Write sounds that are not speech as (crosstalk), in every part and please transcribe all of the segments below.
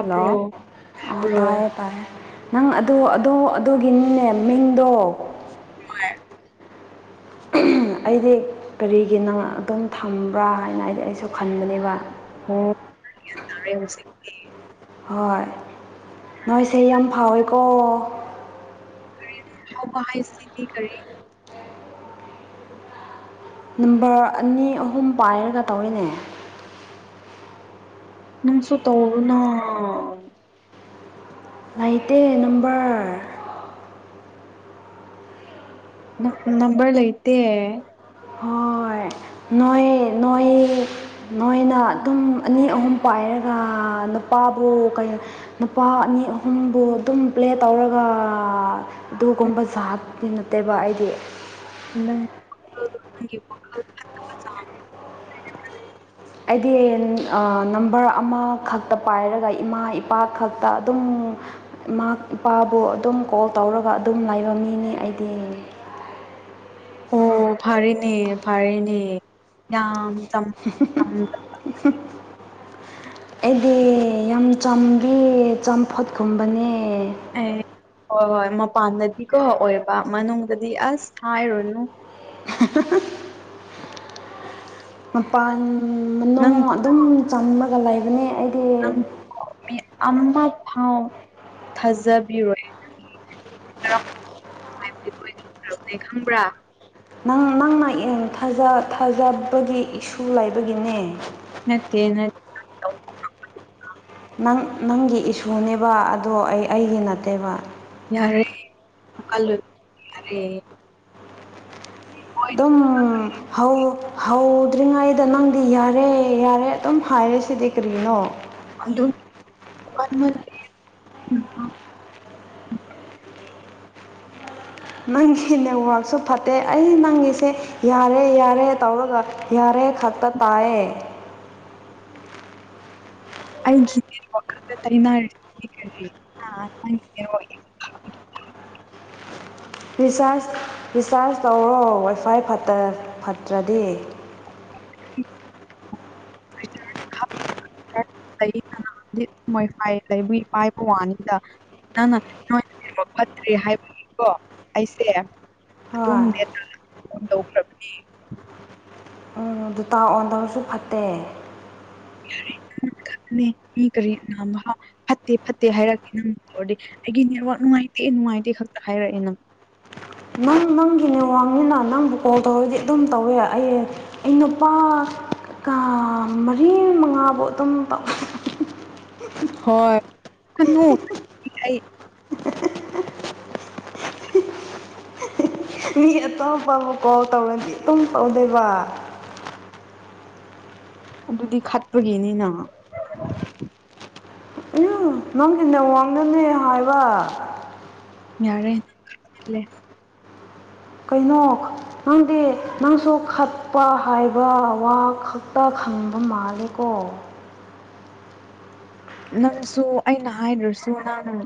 hello ꯑ ꯇꯥꯕ꯭ꯔꯣ ꯇꯥꯥꯏꯌꯦ ꯇꯥꯏꯌꯦ ꯅꯪ ꯑꯗꯣ ꯑꯗꯨꯗꯣ ꯑꯗꯨꯒꯤꯅꯤꯅꯦ ꯃꯤꯡꯗꯣ ꯍꯣꯢ ꯑꯩꯗꯤ ꯀꯔꯤꯒꯤ ꯅꯪ ꯑꯗꯨꯝ ꯊꯝꯕ꯭ꯔꯥ ꯍꯥꯏꯅ ꯑꯩꯗꯤ ꯑꯩꯁꯨ ꯈꯟꯕꯅꯦꯕ ꯎꯝ ꯍꯣꯏ ꯅꯣꯏꯁꯦ ꯌꯥꯝ ꯐꯥꯎꯋꯦꯀꯣ ꯐꯥꯎꯕ ꯍꯥꯏꯁꯤ ꯀꯔꯤ ꯅꯝꯕꯔ ꯑꯅꯤ ꯑꯍꯨꯝ ꯄꯥꯏꯔꯒ ꯇꯧꯋꯦꯅꯦ ꯅꯪꯁꯨ ꯇꯧꯗꯨꯅ ꯂꯩꯇꯦ ꯅꯝꯕꯔ ꯅꯝꯕꯔ ꯂꯩꯇ ꯍꯣꯏ ꯅꯣꯏ ꯅꯣꯏ ꯅꯣꯏꯅ ꯑꯗꯨꯝ ꯑꯅꯤ ꯑꯍꯨꯝ ꯄꯥꯏꯔꯒ ꯅꯨꯄꯥꯕꯨ ꯀ ꯅꯨꯄꯥ ꯑꯅꯤ ꯑꯍꯨꯝꯕꯨ ꯑꯗꯨꯝ ꯄ꯭ꯂꯦ ꯇꯧꯔꯒ ꯑꯗꯨꯒꯨꯝꯕ ꯖꯥꯇꯤ ꯅꯠꯇꯦꯕ ꯑꯩꯗꯤ ꯂꯩ ꯊ ꯑꯩꯒꯤ ꯅꯝꯕꯔ ꯑꯃ ꯈꯛꯇ ꯄꯥꯏꯔꯒ ꯏꯃꯥ ꯏꯄꯥ ꯈꯛꯇ ꯑꯗꯨꯝ ꯏ ꯏꯄꯥꯕꯨ ꯑꯗꯨꯝ ꯀꯣꯜ ꯇꯧꯔꯒ ꯑꯗꯨꯝ ꯂꯩꯕ ꯃꯤꯅꯤ ꯑꯩꯗꯤ ꯑꯣ ꯐꯥꯔꯅꯦ ꯐꯥꯔꯅꯦ ꯌꯥꯝꯝ (inaudible) ꯑꯩꯗꯤ ꯌꯥꯝ ꯆꯝꯕꯤ ꯆꯝꯐꯨꯠꯀꯨꯝꯕꯅꯦ ꯑꯦ ꯍꯣꯏ ꯍꯣꯏ ꯃꯄꯥꯟꯗꯗꯤꯀꯣ ꯑꯣꯏꯕ ꯃꯅꯨꯡꯗꯗꯤ ꯑꯁ ꯍꯥꯏꯔꯨꯅꯨ (unintelligible) ꯃꯄꯥꯟ ꯃꯅꯨꯡ ꯅꯪ ꯑꯗꯨꯝ ꯆꯝꯃꯒ ꯂꯩꯕꯅꯦ ꯑꯩ ꯑꯃ ꯐꯥꯎ ꯊꯥꯖꯕꯤꯔꯣꯏ ꯈꯪꯕ꯭ꯔꯥ ꯅꯪ ꯅꯪꯅ ꯊꯥꯖꯕꯒꯤ ꯏꯁꯨ ꯂꯩꯕꯒꯤꯅꯦ ꯅꯠꯇꯦ ꯅ ꯅꯪ ꯅꯪꯒꯤ ꯏꯁꯨꯅꯦꯕ ꯑꯗꯣ ꯑꯩ ꯑꯩꯒꯤ ꯅꯠꯇꯦꯕ ꯌꯥꯔꯦꯜꯂꯨ ꯌꯥꯔꯦ ꯍꯣꯏ ꯑꯗꯨꯝ ꯍꯧ ꯍꯧꯗ꯭ꯔꯤꯉꯩꯗ ꯅꯪꯗꯤ ꯌꯥꯔꯦ ꯌꯥꯔꯦ ꯑꯗꯨꯝ ꯍꯥꯏꯔꯦ ꯁꯤꯗꯤ ꯀꯔꯤꯅꯣ ꯑꯗꯨ ꯑꯗꯨ ꯅꯪꯒꯤ ꯅꯦꯠꯋꯥꯛꯛꯁꯨ ꯐꯠꯇꯦ ꯑꯩ ꯅꯪꯒꯤꯁꯦ ꯌꯥꯔꯦ ꯌꯥꯔꯦ ꯇꯧꯔꯒ ꯌꯥꯔꯦ ꯈꯛꯇ ꯇꯥꯏꯌꯦ ꯑꯩꯒꯦ ꯋꯥ ꯇꯪ ꯔꯤꯆꯥꯔꯖ ꯔꯤꯆꯥꯔꯖ ꯇꯧꯔꯣ ꯋꯥꯏꯐꯥꯏ ꯐꯠꯇ꯭ꯔꯗꯤ ꯂꯩ ꯀꯅꯥꯗꯤ ꯃꯣꯏ ꯂꯩꯕꯨ ꯄꯥꯏꯕ ꯋꯥꯅꯤꯗ ꯅ ꯅ ꯐꯠꯇꯦ ꯍꯥꯏꯕꯅꯤꯀꯣ ꯑꯩꯁꯦ ꯑꯗꯨ ꯍꯣꯏ ꯇ꯭ꯔꯅꯤ ꯎꯝ ꯇꯥ ꯑꯣꯟꯗꯕꯁꯨ ꯐꯠꯇꯦ ꯅꯤ ꯃꯤ ꯀꯔꯤ ꯐꯠꯇꯦ ꯐꯠꯇꯦ ꯍꯥꯏꯔꯛꯛꯇꯦ ꯅꯪ ꯇꯧꯔꯗꯤ ꯑꯩꯒꯤ ꯅꯦꯠꯋꯥꯛ ꯅꯨꯡꯉꯥꯏꯇꯦ ꯅꯨꯡꯉꯥꯏꯇꯦ ꯈꯛꯇ ꯍꯥꯏꯔꯛꯑꯦ ꯅ ꯅꯪ ꯅꯪꯒꯤꯅꯦ ꯋꯥꯅꯤꯅ ꯅꯪꯕꯨ ꯀꯣꯜ ꯇꯧꯔꯗꯤ ꯑꯗꯨꯝ ꯇꯧꯋꯦ ꯑꯩ ꯑꯩ ꯅꯨꯄꯥ ꯀ ꯃꯔꯤ ꯃꯉꯥꯕꯨꯧ ꯑꯗꯨꯝ ꯇꯧ ꯍꯣꯏ ꯑꯩ ꯃꯤ ꯑꯇꯣꯞ ꯄꯥꯎꯕꯀꯣ ꯇꯧꯔꯗꯤ ꯑꯗꯨꯝ ꯄꯧꯗꯣꯏꯕ ꯑꯗꯨꯗꯤ ꯈꯠꯄꯒꯤꯅꯤꯅ ꯑ ꯅꯪꯁꯤꯤꯟꯟꯅ ꯋꯥꯡꯅꯅꯦ ꯍꯥꯏꯕ ꯌꯥꯔꯦ ꯂꯩꯦ ꯀꯩꯅꯣꯛ ꯅꯪꯗꯤ ꯅꯪꯁꯨ ꯈꯠꯄ ꯍꯥꯏꯕ ꯋꯥ ꯈꯛꯇ ꯈꯪꯕ ꯃꯥꯂꯦꯀꯣ ꯅꯪꯁꯨ ꯑꯩꯅ ꯍꯥꯏꯗ꯭ꯔꯁꯨ ꯅꯪ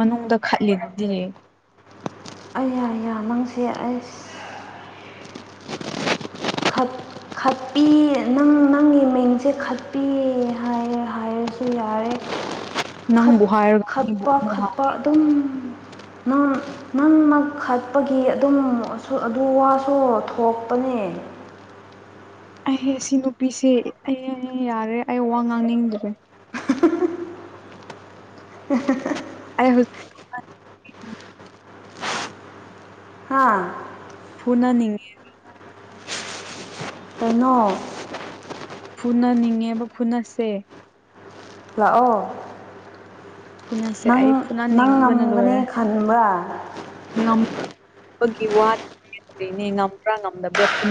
ꯃꯅꯨꯡꯗ ꯈꯠꯂꯤꯗꯤ ꯑꯩ ꯌꯥꯌꯥ ꯅꯪꯁꯦ ꯑꯩ (inaudible) ꯍꯛ ꯈꯠꯄꯤ ꯅꯪ ꯅꯪꯒꯤ ꯃꯤꯡꯁꯦ ꯈꯠꯄꯤ ꯍꯥꯏ ꯍꯥꯏꯔꯁꯦ ꯑꯗꯨ ꯌꯥꯔꯦ ꯅꯪꯕꯨ ꯍꯥꯏꯔꯒ ꯃꯤꯕꯨ ꯈꯠꯄ ꯑꯃꯨꯛ ꯈꯠꯄ ꯑꯗꯨꯝ ꯅꯪ ꯅꯪꯃꯛ ꯈꯠꯄꯒꯤ ꯑꯗꯨꯝ ꯑꯗꯨ ꯋꯥꯁꯨ ꯊꯣꯛꯄꯅꯦ ꯑꯩꯍꯦ ꯁꯤ ꯅꯨꯄꯤꯁꯦ ꯑꯩ ꯌꯥꯔꯦ ꯑꯩ ꯋꯥ ꯉꯥꯡꯅꯤꯡꯗ꯭ꯔꯦ ꯍꯠꯇ ꯑ ꯍꯧꯣꯏ ꯍꯥꯥ ꯐ ꯄꯨꯅ ꯅꯤꯡꯉ ꯇꯅꯣ ꯐꯨꯅꯅꯤꯡꯉꯦꯕ ꯐꯨꯅꯁꯦ ꯂꯂꯥꯛꯑꯣ ꯐꯨꯅꯁꯦ ꯑꯩ ꯅꯪ ꯅꯪ ꯐꯨꯅꯅꯤꯡꯕꯅ ꯉꯝꯒꯅꯤ ꯈꯟꯕ꯭ꯔꯥ ꯉ꯭ꯔꯒꯤ ꯋꯥꯗꯤꯅꯦ ꯉꯝꯕ꯭ꯔꯥ ꯉꯝꯗꯕ꯭ꯔꯥ ꯐꯨ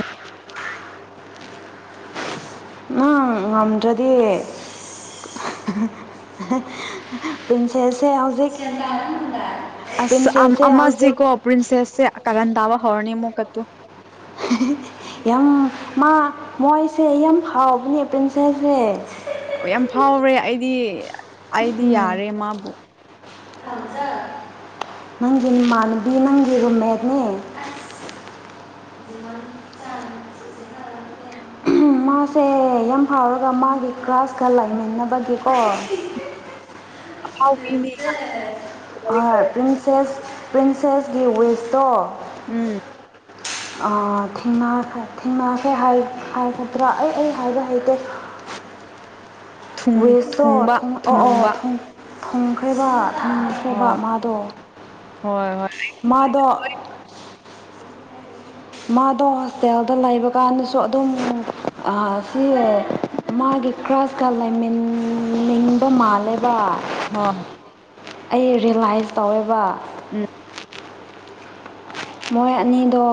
ꯅꯪ ꯉꯝꯗ꯭ꯔꯗꯤ ꯄ꯭ꯔꯤꯟꯁꯦꯁꯁꯦ ꯍꯧꯖꯤꯛ ꯑꯁ ꯄ꯭ꯔꯤꯟꯁꯦꯁꯁꯦ ꯍꯧꯖꯤꯛ ꯑꯃꯁꯤꯀꯣ ꯄ꯭ꯔꯤꯟꯁꯦꯁꯁꯦ ꯀꯔꯟ ꯇꯥꯕ ꯍꯧꯔꯅꯤ ꯑꯃꯨꯛꯀꯠꯇꯨ ꯌꯥꯝ ꯃꯥ ꯃꯣꯏꯁꯦ ꯌꯥꯝ ꯍꯥꯎꯕꯅꯦ ꯄ꯭ꯔꯤꯟꯁꯦꯜꯁꯦ ꯑꯣ ꯌꯥꯝ ꯐꯥꯎꯔꯦ ꯑꯩꯗꯤ ꯑꯩꯗꯤ ꯌꯥꯔꯦ ꯃꯥꯕꯨ ꯊꯪꯖ ꯅꯪꯒꯤ ꯃꯃꯥꯟꯅꯕꯤ ꯅꯪꯒꯤ ꯔꯨꯝꯃꯦꯅꯦ ꯎꯝ ꯃꯥꯁꯦ ꯌꯥꯝ ꯐꯥꯎꯔꯒ ꯃꯥꯒꯤ ꯀ꯭ꯂ꯭ꯔꯥꯁꯀ ꯂꯥꯛꯃꯤꯟꯅꯕꯒꯤꯀꯣ ꯑꯐꯥꯎꯕꯤꯅꯤ ꯍ ꯄ ꯦꯁ ꯄ꯭ꯔꯤꯟꯁꯦꯁꯀꯤ ꯋꯤꯁꯇꯣ ꯎꯝ ꯑ ꯊꯤꯃ ꯊꯤꯃꯥꯁꯦ ꯍꯥꯏ ꯍꯥꯏ ꯑꯗꯨ꯭ꯔꯥ ꯑꯩ ꯑꯩ ꯍꯥꯏꯕ ꯍꯩꯇꯦ ꯊꯨꯡ ꯊꯨꯡꯕ ꯋꯦꯁꯇꯣ ꯑꯣ ꯑꯣ ꯊꯨꯡꯕ ꯊꯣꯡꯈ꯭ꯔꯦꯕ ꯊꯣꯡꯈ꯭ꯔꯦꯕ ꯍꯣꯏ ꯃꯥꯗꯣ ꯍꯣꯏ ꯍꯣꯏ ꯃꯥꯗ ꯃꯥꯗꯣ ꯍꯣꯁꯇꯦꯜꯗ ꯂꯩꯕ ꯀꯥꯟꯗꯁꯨ ꯑꯗꯨꯝ ꯁꯤ ꯃꯥꯒꯤ ꯀ꯭ꯔꯥꯁꯀ ꯂꯩꯃꯤꯟꯅꯤꯡꯕ ꯃꯥꯜꯂꯦꯕ ꯍ ꯑꯩ ꯔꯤꯌꯦꯂꯥꯏꯁ ꯇꯧꯋꯦꯕ ꯎꯝ ꯃꯣꯏ ꯑꯅꯤꯗꯣ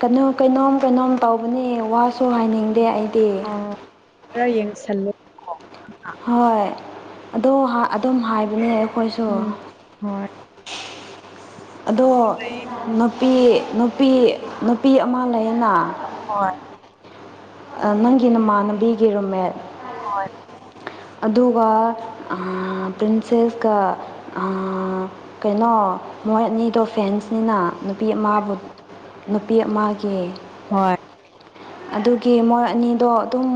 ꯀꯩꯅꯣ ꯀꯩꯅꯣꯝ ꯀꯩꯅꯣꯝ ꯇꯧꯕꯅꯦ ꯋꯥꯁꯨ ꯍꯥꯏꯅꯤꯡꯗꯦ ꯑꯩ ꯑ꯭ꯔ ꯌꯦꯡ ꯆꯜꯂꯣ ꯍꯣꯏ ꯑꯗꯣ ꯑꯗꯨꯝ ꯍꯥꯏꯕꯅꯦ ꯑꯩꯈꯣꯏꯁꯨ ꯎꯝ ꯍꯣꯏ ꯑꯗꯣ ꯅꯨꯄꯤ ꯅꯨꯄꯤ ꯅꯨꯄꯤ ꯑꯃ ꯂꯩꯌꯦꯅ ꯍꯣꯏ ꯅꯪꯒꯤ ꯅꯃꯥꯟꯅꯕꯤꯒꯤ ꯔꯣꯃꯦꯠ ꯍꯣꯏ ꯑꯗꯨꯒ ꯄ꯭ꯔꯤꯟꯁꯦꯁꯀ ꯀꯩꯅꯣ ꯃꯣꯏ ꯑꯅꯤꯗꯣ ꯐꯦꯟꯁꯅꯤꯅ ꯅꯨꯄꯤ ꯑꯃꯕꯨ ꯅꯨꯄꯤ ꯑꯃꯒꯤ ꯍꯣꯏ ꯑꯗꯨꯒꯤ ꯃꯣꯔ ꯑꯅꯤꯗꯣ ꯑꯗꯨꯝ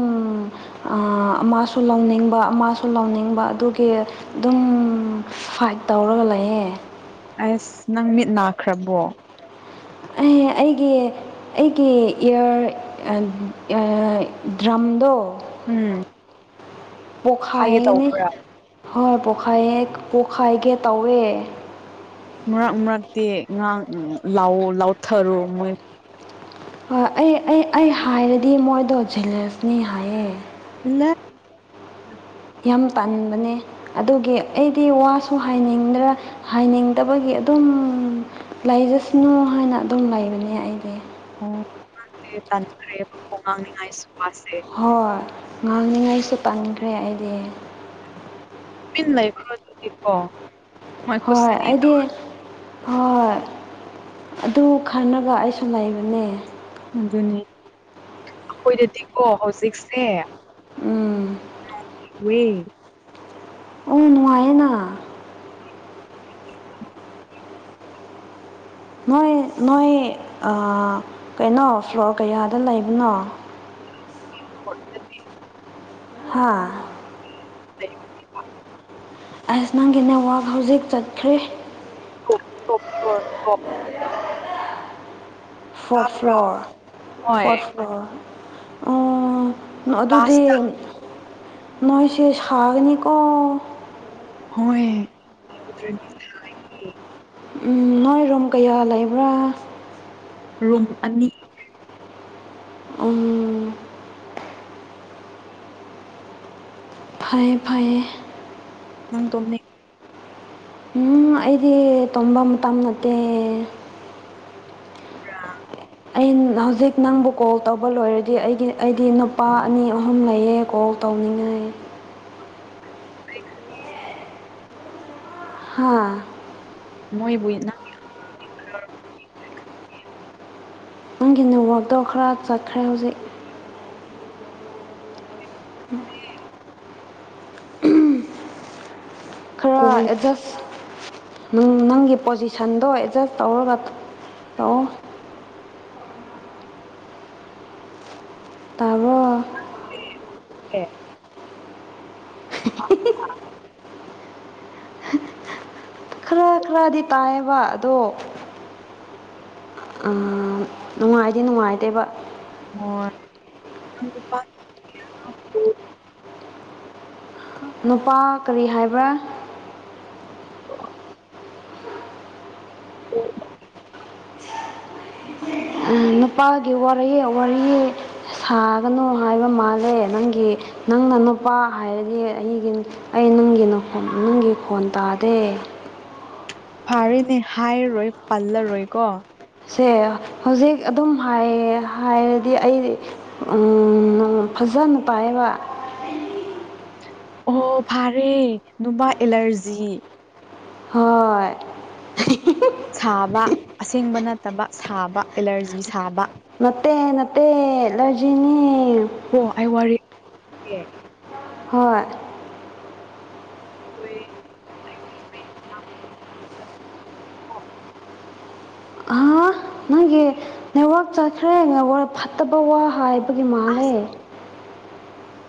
ꯑꯃꯁꯨ ꯂꯧꯅꯤꯡꯕ ꯕ ꯑꯃꯁꯨ ꯂꯧꯅꯤꯡꯕ ꯑꯗꯨꯒꯤ ꯑꯗꯨꯝ ꯐꯥꯏꯠ ꯇꯧꯔꯒ ꯂꯩꯌꯦ ꯑꯁ ꯅꯪ ꯃꯤꯠ ꯅꯥꯈ꯭ꯔꯕꯣ ꯑꯩ ꯑꯩꯒꯤ ꯑꯩꯒꯤ ꯏꯌꯥꯔ ꯗ꯭ꯔꯝꯗꯣ ꯎꯝ ꯕꯨ ꯈꯥꯌꯦ ꯄꯣꯛꯈꯥꯏꯒꯦ ꯀꯅꯤ ꯇꯧꯕ꯭ꯔꯥ ꯍꯣꯏ ꯄꯣꯛꯈꯥꯏꯌꯦ ꯄꯣꯛꯈꯥꯏꯒꯦ ꯇꯧꯋꯦ ꯃꯔꯛ ꯃꯔꯛꯇꯤ ꯉꯥꯡ ꯂꯥꯎꯋꯣ ꯂꯥꯎꯊꯔꯣ ꯃꯣꯏ ꯑꯩ ꯑꯩ ꯑꯩ ꯍꯥꯏꯔꯗꯤ ꯃꯣꯏꯗꯣ ꯖꯦꯂꯁꯅꯤ ꯍꯥꯏꯌꯦ ꯂ ꯌꯥꯝ ꯄꯥꯟꯅꯤꯡꯟꯕꯅꯦ ꯑꯗꯨꯒꯤ ꯑꯩꯗꯤ ꯋꯥꯁꯨ ꯍꯥꯏꯅꯤꯡꯗ꯭ꯔ ꯍꯥꯏꯅꯤꯡꯗꯕꯒꯤ ꯑꯗꯨꯝ ꯂꯩꯖꯁꯅꯨ ꯍꯥꯏꯅ ꯑꯗꯨꯝ ꯂꯩꯕꯅꯦ ꯑꯩꯗꯤ ꯎꯝ (unintelligible) ꯇꯟꯈ꯭ꯔꯦꯕ ꯀꯣ ꯉꯥꯡꯅꯤꯉꯥꯏ ꯁꯨ (unintelligible) ꯍꯣꯏ ꯉꯥꯡꯅꯤꯉꯥꯏꯁꯨ ꯇꯟꯈ꯭ꯔꯦ ꯑꯩꯗꯤ ꯄꯤꯟ ꯂꯩꯈ꯭ꯔꯣ ꯑꯗꯨꯗꯤꯀꯣ ꯃꯣꯏ ꯍꯣꯏ ꯈꯨꯁꯤꯗꯣ ꯑꯩꯗꯤ ꯍꯣꯏ ꯑꯗꯨ ꯈꯟꯔꯒ ꯑꯩꯁꯨ ꯂꯩꯕꯅꯦ ꯑꯗꯨꯅꯤ ꯑꯩꯈꯣꯏꯗꯗꯤꯀꯣ ꯍꯧꯖꯤꯛꯁꯦ ꯎꯝ ꯅꯣ (unintelligible) ꯋꯦ ꯑꯣ ꯅꯨꯡꯉꯥꯏꯌꯦꯅ ꯅꯣꯏ ꯅꯣꯏ ꯑꯥ ꯀꯩꯅꯣ ꯐ꯭ꯂꯣꯔ ꯀꯌꯥꯗ ꯂꯩꯕꯅꯣ (unintelligible) ꯍꯥꯥ (unintelligible) ꯑꯌꯨꯁꯃꯥꯟꯒꯤ ꯅꯦꯠꯋꯥꯛ ꯍꯧꯖꯤꯛ ꯆꯠꯈ꯭ꯔꯦ ꯇꯣꯞ (unintelligible) ꯇꯣꯞ ꯐꯣꯔꯊ ꯇꯥꯕ꯭ꯔꯥ ꯐ꯭ꯂꯣꯔ ꯍꯣꯏ ꯐꯣꯔꯊ ꯐ꯭ꯂꯣꯔ ꯑꯣ ꯀ꯭ꯂꯥꯁ ꯑꯗꯨꯗꯤ ꯅꯣꯏꯁꯦ ꯁꯥꯒꯅꯤꯀꯣ ꯍꯣꯏ (unintelligible) ꯎꯝ ꯅꯣꯏꯔꯣꯝ ꯀꯌꯥ ꯂꯩꯕ꯭ꯔꯥ ꯔꯨꯝ ꯑꯅꯤ ꯎꯝ ꯐꯥꯏꯌꯦ ꯐꯩꯌꯦ ꯅꯪ ꯇꯣꯝꯅꯤꯡ ꯎꯝ ꯑꯩꯗꯤ ꯇꯣꯝꯕ ꯃꯇꯝ ꯅꯠꯇꯦ (unintelligible) ꯄ꯭ꯔꯥ ꯑꯩꯟ ꯍꯧꯖꯤꯛ ꯅꯪꯕꯨ ꯀꯣꯜ ꯇꯧꯕ ꯂꯣꯏꯔꯗꯤ ꯑꯩꯒꯤ ꯑꯩꯗꯤ ꯅꯨꯄꯥ ꯑꯅꯤ ꯑꯍꯨꯝ ꯂꯩꯌꯦꯀꯣꯜ ꯇꯧꯅꯤꯡꯉꯥꯏ ꯍꯥꯥ ꯃꯣꯏꯕꯨ (unintelligible) ꯅꯪꯒꯤ ꯅꯦꯠꯋꯥꯛꯇꯣ ꯈꯔ ꯆꯠꯈ꯭ꯔꯦ ꯍꯧꯖꯤꯛ (unintelligible) (unintelligible) ꯈꯔ ꯀꯣꯜꯂꯤꯁꯦ ꯑꯦꯗꯖꯁ ꯅꯨꯡ ꯅꯪꯒꯤ ꯄꯣꯖꯤꯁꯟꯗꯣ ꯑꯦꯗꯖꯁ ꯇꯧꯔꯒ ꯇꯧꯑꯣ ꯇꯥꯕ꯭ꯔꯣ ꯑꯦ (unintelligible) ꯈꯔ ꯈꯔꯗꯤ ꯇꯥꯏꯌꯦꯕ ꯑꯗꯣ ꯑ ꯅꯨꯡꯉꯥꯏꯗꯤ ꯅꯨꯡꯉꯥꯏꯇꯦꯕ ꯍꯣꯏ (unintelligible) (unintelligible) ꯅꯨꯄꯥ ꯀꯔꯤ ꯍꯥꯏꯕ꯭ꯔꯥ ꯑꯣ ꯑꯣ (unintelligible) (unintelligible) ꯎꯝ ꯅꯨꯄꯥꯒꯤ ꯋꯥꯔꯤ ꯋꯥꯔꯤꯌꯦ ꯁꯥꯒꯅꯨ ꯍꯥꯏꯕ ꯃꯥꯜꯂꯦ ꯅꯪꯒꯤ ꯅꯪꯅ ꯅꯨꯄꯥ ꯍꯥꯏꯔꯗꯤ ꯑꯩꯒꯤ ꯑꯩ ꯅꯨꯡꯒꯤ ꯅꯨꯡꯒꯤ ꯈꯣꯟ ꯇꯥꯗꯦ ꯐꯔꯦꯅꯦ ꯍꯥꯏꯔꯔꯣꯏ ꯄꯜꯂꯔꯣꯏꯀꯣ ꯁꯦ ꯍꯧꯖꯤꯛ ꯑꯗꯨꯝ ꯍꯥꯏ ꯍꯥꯏꯔꯗꯤ ꯑꯩ ꯐꯖꯅ ꯄꯥꯏꯌꯦꯕ ꯑꯣ ꯐꯥꯔꯦ ꯅꯨꯡꯕꯥ ꯑꯦꯂꯔꯖꯤ ꯍꯣꯏ ꯁꯥꯕ ꯑꯁꯦꯡꯕ ꯅꯠꯇꯕ ꯁꯥꯕ ꯑꯦꯂꯔꯖꯤ ꯁꯥꯕ ꯅꯠꯇꯦ ꯅꯠꯇꯦꯂꯔꯖꯤꯅꯤ ꯑꯣ ꯑꯩꯥꯏ ꯋꯥꯔꯤ ꯍꯣꯏ ꯑꯩꯣꯏ ꯑ ꯅꯪꯦ ꯅꯦꯠꯋꯥꯛ ꯆꯠꯈ꯭ꯔꯦ ꯅꯦꯠꯋꯥꯛ ꯐꯠꯇꯕ ꯋꯥ ꯍꯥꯏꯕꯒꯤ ꯃꯥꯜꯂꯦ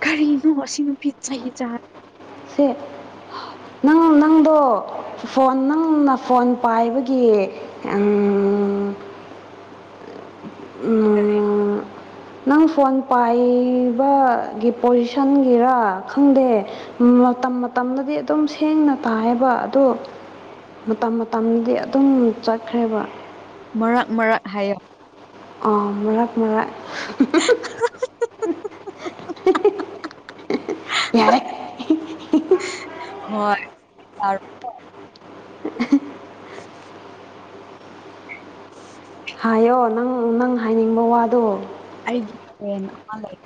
ꯀꯔꯤꯅꯣ ꯉꯁꯤ ꯅꯨꯄꯤ ꯆꯍꯤ ꯆꯥ ꯎꯆ ꯅꯪ ꯅꯪꯗꯣ ꯐꯣꯟ ꯅꯪꯅ ꯐꯣꯟ ꯄꯥꯏꯕꯒꯤ ꯑꯪ ꯎ ꯅꯪ ꯐꯣꯟ ꯄꯥꯏꯕꯒꯤ ꯄꯣꯖꯤꯁꯟꯒꯤꯔ ꯈꯪꯗꯦ ꯃꯇꯝ ꯃꯇꯝꯗꯗꯤ ꯑꯗꯨꯝ ꯁꯦꯡꯅ ꯇꯥꯏꯌꯦꯕ ꯑꯗ ꯃꯇꯝ ꯃꯇꯝꯗꯤ ꯑꯗꯨꯝ ꯆꯠꯈ꯭ꯔꯦꯕ ꯃꯔꯛ ꯃꯔꯛ ꯍꯥꯏꯌ ꯑ ꯃꯛ ꯃꯛ (inaudible) ꯌꯥꯔ ꯍꯣꯏ (inaudible) ꯍꯥꯏꯌꯣ ꯅꯪ ꯅꯪ ꯍꯥꯏꯅꯤꯡꯕ ꯋꯥꯗꯣ ꯑꯩꯒꯤ ꯐ꯭ꯔꯦꯟ ꯑꯃ ꯂꯩ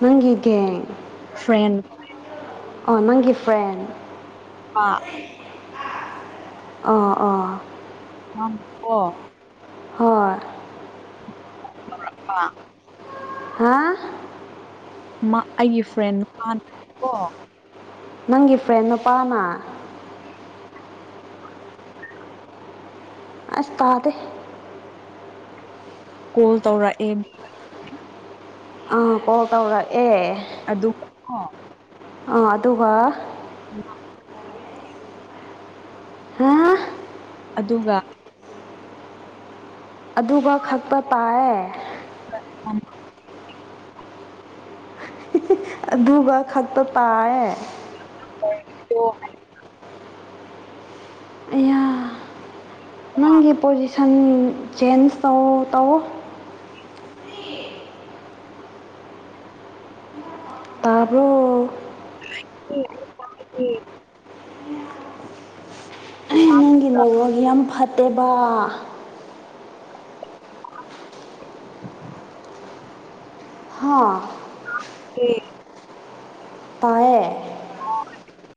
ꯅꯪꯒ ꯐ꯭ꯔꯦꯟ ꯑꯣ ꯅꯪꯒꯤ ꯐ꯭ꯔꯦꯟ ꯑꯥ ꯑꯣꯥ ꯑꯣꯥ ꯑ ꯑꯣ ꯍꯣꯏ ꯑ ꯍꯥ ꯑꯩꯒꯤ ꯐ꯭ꯔꯦꯟ ꯃꯄꯥꯥꯟꯅꯀꯣ ꯅꯪꯒꯤ ꯐ꯭ꯔꯦꯟ ꯅꯨꯄꯥꯅ ꯑꯁꯇꯥꯗ ꯀꯣꯜ ꯇꯧꯔꯛꯑꯦ ꯑꯥ ꯀꯣ ꯇꯧꯗ ꯑꯦ ꯑꯗꯨꯒ ꯑꯗꯨꯒ ꯎꯝ ꯍꯥꯥ ꯑꯗꯨꯒ ꯑꯗꯨꯒ ꯈꯛꯛꯇ ꯄꯥꯏꯔꯦ (unintelligible) ꯑꯗꯨꯒ ꯈꯛꯇ ꯇꯥꯥꯏꯔꯦ (unintelligible) ꯑꯌꯥ ꯅꯪꯒꯤ ꯄꯣꯖꯤꯁꯟ ꯆꯦꯟꯖ ꯇꯧ ꯇꯧ ꯇꯥꯔꯕꯣ (unintelligible) ꯅꯪꯒꯤ ꯅꯒꯤ ꯌꯥꯝ ꯐꯠꯇꯦꯕ (unintelligible) ꯍꯥ (unintelligible) ꯇꯌꯦꯜ